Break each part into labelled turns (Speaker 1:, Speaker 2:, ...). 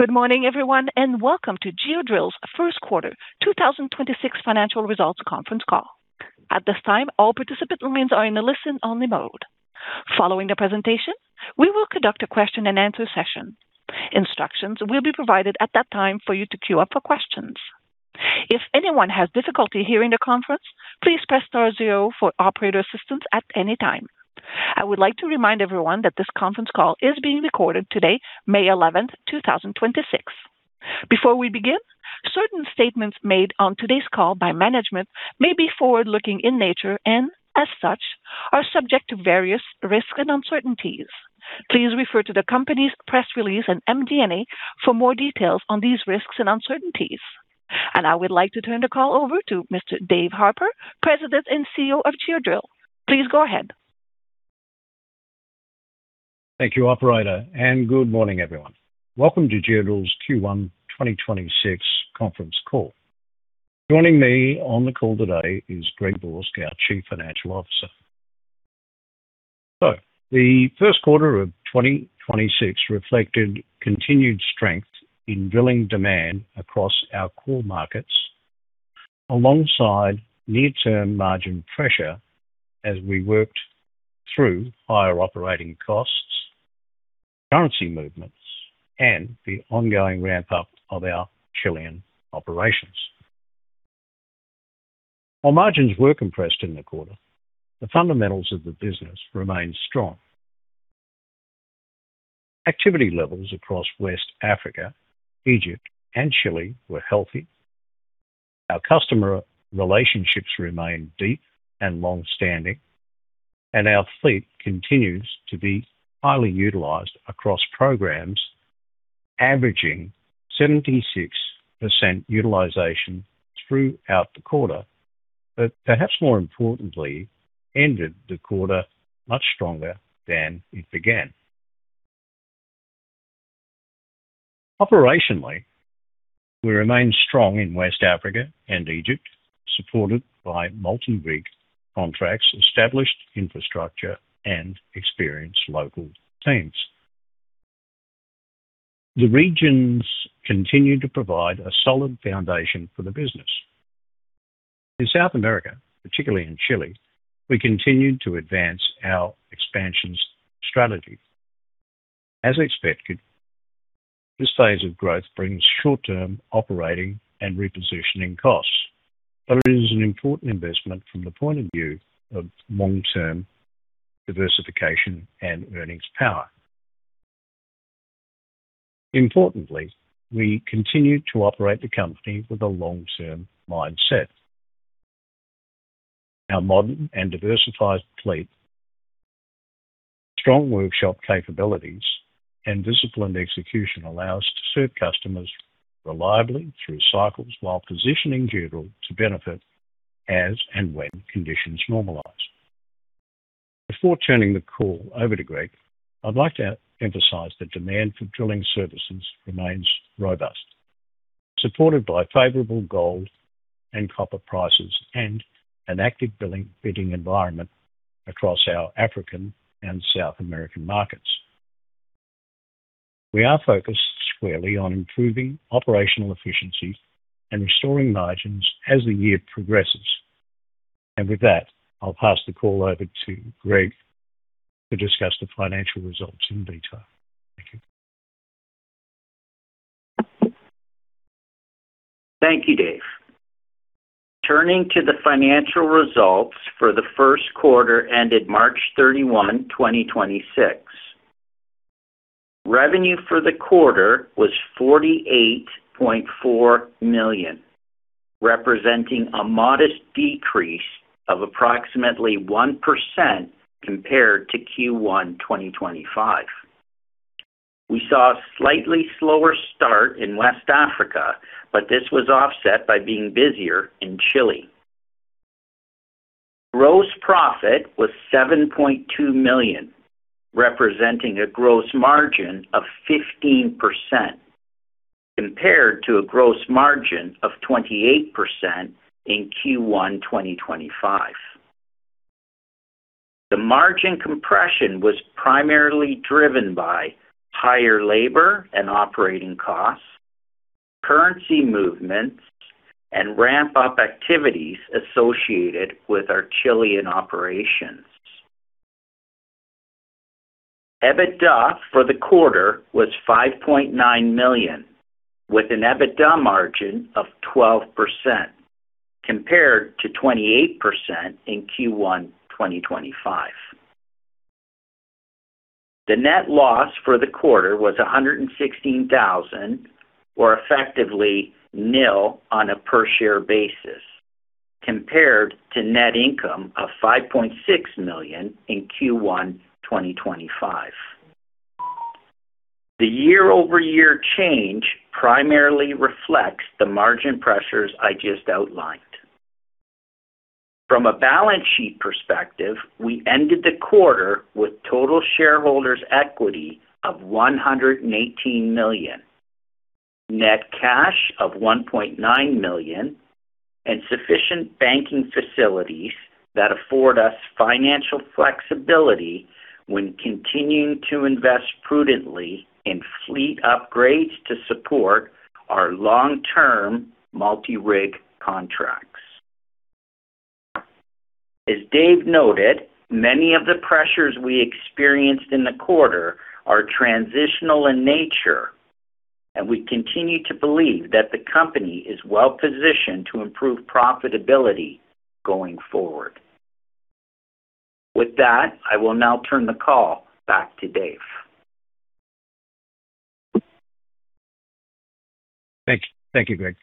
Speaker 1: Good morning, everyone, and welcome to Geodrill's Q1 2026 financial results conference call. At this time, all participant lines are in a listen-only mode. Following the presentation, we will conduct a question-and-answer session. Instructions will be provided at that time for you to queue up for questions. If anyone has difficulty hearing the conference, please press star zero for operator assistance at any time. I would like to remind everyone that this conference call is being recorded today, May 11, 2026. Before we begin, certain statements made on today's call by management may be forward-looking in nature and, as such, are subject to various risks and uncertainties. Please refer to the company's press release and MD&A for more details on these risks and uncertainties. I would like to turn the call over to Mr. Dave Harper, President and Chief Executive Officer of Geodrill. Please go ahead.
Speaker 2: Thank you, operator, and good morning, everyone. Welcome to Geodrill's Q1 2026 conference call. Joining me on the call today is Greg Borsk, our Chief Financial Officer. The first quarter of 2026 reflected continued strength in drilling demand across our core markets alongside near-term margin pressure as we worked through higher operating costs, currency movements, and the ongoing ramp-up of our Chilean operations. While margins were compressed in the quarter, the fundamentals of the business remained strong. Activity levels across West Africa, Egypt, and Chile were healthy. Our customer relationships remain deep and longstanding, and our fleet continues to be highly utilized across programs, averaging 76% utilization throughout the quarter. Perhaps more importantly, ended the quarter much stronger than it began. Operationally, we remain strong in West Africa and Egypt, supported by multi-rig contracts, established infrastructure, and experienced local teams. The regions continue to provide a solid foundation for the business. In South America, particularly in Chile, we continued to advance our expansion strategy. As expected, this phase of growth brings short-term operating and repositioning costs, but it is an important investment from the point of view of long-term diversification and earnings power. Importantly, we continue to operate the company with a long-term mindset. Our modern and diversified fleet, strong workshop capabilities, and disciplined execution allow us to serve customers reliably through cycles while positioning Geodrill to benefit as and when conditions normalize. Before turning the call over to Greg, I'd like to emphasize that demand for drilling services remains robust, supported by favorable gold and copper prices and an active drilling bidding environment across our African and South American markets. We are focused squarely on improving operational efficiency and restoring margins as the year progresses. With that, I'll pass the call over to Greg to discuss the financial results in detail. Thank you.
Speaker 3: Thank you, Dave. Turning to the financial results for the first quarter ended March 31, 2026. Revenue for the quarter was $48.4 million, representing a modest decrease of approximately 1% compared to Q1 2025. We saw a slightly slower start in West Africa, but this was offset by being busier in Chile. Gross profit was $7.2 million, representing a gross margin of 15% compared to a gross margin of 28% in Q1 2025. The margin compression was primarily driven by higher labor and operating costs, currency movements, and ramp-up activities associated with our Chilean operations. EBITDA for the quarter was $5.9 million, with an EBITDA margin of 12% compared to 28% in Q1 2025. The net loss for the quarter was $116,000, or effectively nil on a per-share basis compared to net income of $5.6 million in Q1 2025. The year-over-year change primarily reflects the margin pressures I just outlined. From a balance sheet perspective, we ended the quarter with total shareholders' equity of $118 million, net cash of $1.9 million. Sufficient banking facilities that afford us financial flexibility when continuing to invest prudently in fleet upgrades to support our long-term multi-rig contracts. As Dave noted, many of the pressures we experienced in the quarter are transitional in nature, and we continue to believe that the company is well-positioned to improve profitability going forward. With that, I will now turn the call back to Dave.
Speaker 2: Thank you, Greg.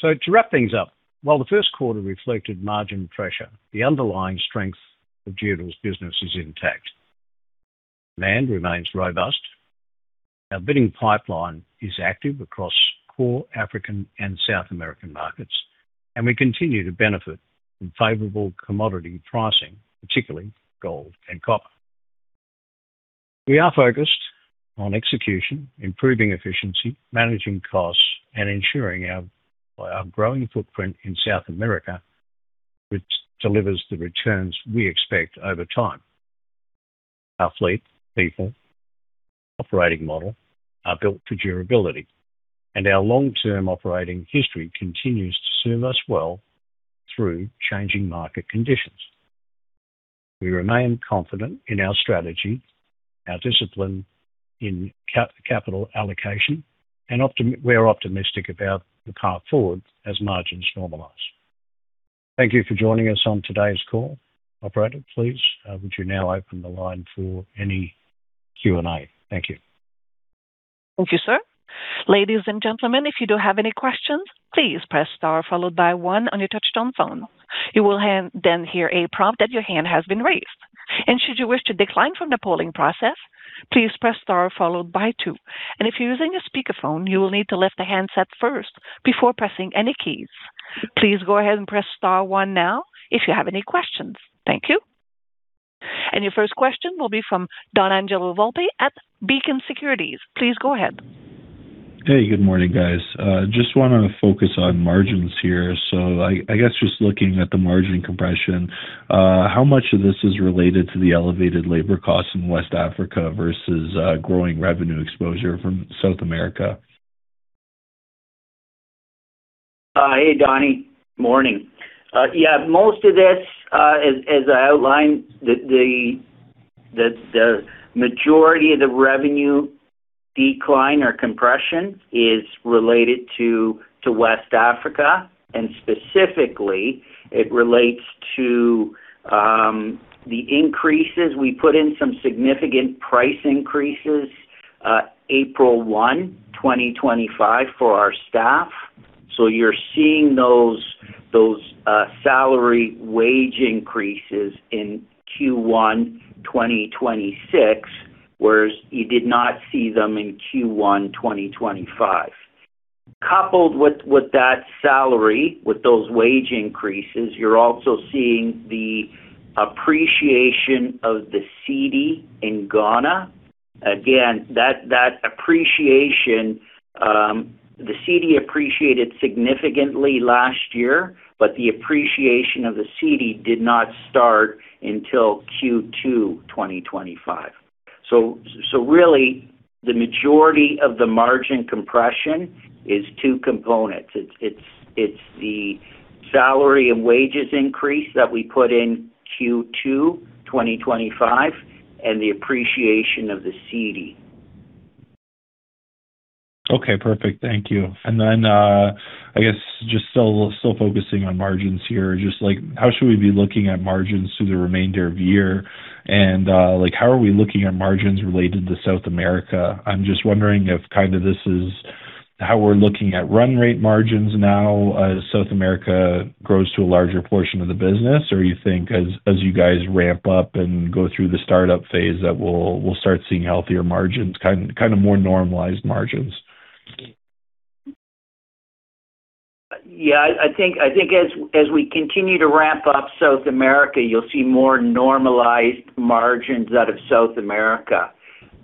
Speaker 2: To wrap things up, while the first quarter reflected margin pressure, the underlying strength of Geodrill's business is intact. Demand remains robust. Our bidding pipeline is active across core African and South American markets, and we continue to benefit from favorable commodity pricing, particularly gold and copper. We are focused on execution, improving efficiency, managing costs, and ensuring our growing footprint in South America, which delivers the returns we expect over time. Our fleet, people, operating model are built for durability, and our long-term operating history continues to serve us well through changing market conditions. We remain confident in our strategy, our discipline in capital allocation, and we're optimistic about the path forward as margins normalize. Thank you for joining us on today's call. Operator, please, would you now open the line for any Q&A? Thank you.
Speaker 1: Thank you, sir. Ladies and gentlemen, if you do have any questions, please press star followed by one on your touchtone phone. You will then hear a prompt that your hand has been raised. Should you wish to decline from the polling process, please press star followed by two. If you're using a speakerphone, you will need to lift the handset first before pressing any keys. Please go ahead and press star one now if you have any questions. Thank you. Your first question will be from Donangelo Volpe at Beacon Securities. Please go ahead.
Speaker 4: Hey, good morning, guys. Just wanna focus on margins here. I guess just looking at the margin compression, how much of this is related to the elevated labor costs in West Africa versus growing revenue exposure from South America?
Speaker 3: Hey, Donny. Morning. Yeah, most of this, as I outlined, the majority of the revenue decline or compression is related to West Africa. Specifically, it relates to the increases. We put in some significant price increases, April 1, 2025 for our staff. You're seeing those salary wage increases in Q1 2026, whereas you did not see them in Q1 2025. Coupled with that salary, with those wage increases, you're also seeing the appreciation of the cedi in Ghana. Again, that appreciation, the cedi appreciated significantly last year, the appreciation of the cedi did not start until Q2 2025. Really, the majority of the margin compression is two components. It's the salary and wages increase that we put in Q2, 2025, and the appreciation of the cedi.
Speaker 4: Okay, perfect. Thank you. Then, I guess just still focusing on margins here. Just like, how should we be looking at margins through the remainder of the year? Like, how are we looking at margins related to South America? I'm just wondering if kinda this is how we're looking at run rate margins now as South America grows to a larger portion of the business, or you think as you guys ramp up and go through the startup phase that we'll start seeing healthier margins, kind of more normalized margins.
Speaker 3: Yeah. I think as we continue to ramp up South America, you'll see more normalized margins out of South America.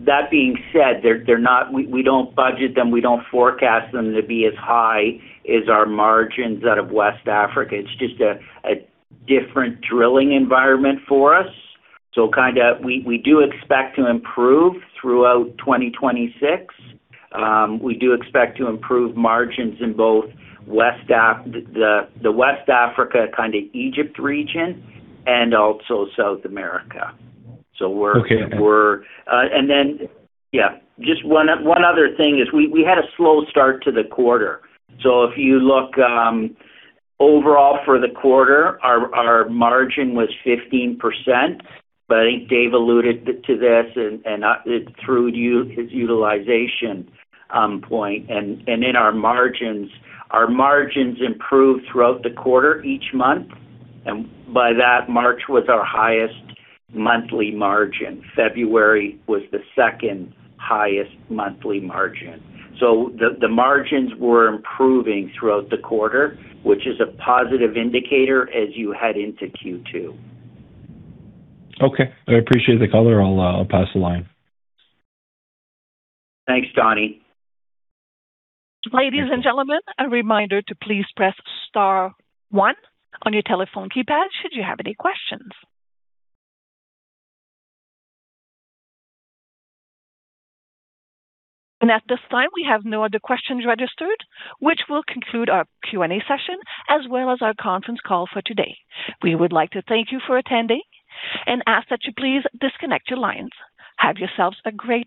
Speaker 3: That being said, they're not. We don't budget them, we don't forecast them to be as high as our margins out of West Africa. It's just a different drilling environment for us. Kinda we do expect to improve throughout 2026. We do expect to improve margins in both West Africa kinda Egypt region and also South America.
Speaker 4: Okay.
Speaker 3: Just one other thing is we had a slow start to the quarter. If you look overall for the quarter, our margin was 15%. I think Dave alluded to this and through his utilization point. In our margins, our margins improved throughout the quarter each month. By that, March was our highest monthly margin. February was the 2nd-highest monthly margin. The margins were improving throughout the quarter, which is a positive indicator as you head into Q2.
Speaker 4: Okay. I appreciate the color. I'll pass the line.
Speaker 3: Thanks, Donny.
Speaker 1: Ladies and gentlemen, a reminder to please press star one on your telephone keypad should you have any questions. At this time, we have no other questions registered, which will conclude our Q&A session, as well as our conference call for today. We would like to thank you for attending and ask that you please disconnect your lines. Have yourselves a great day.